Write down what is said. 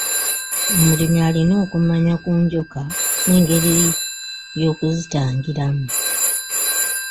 Omulimi alina okumanya ku njoka n'engeri y'okuzitangiramu.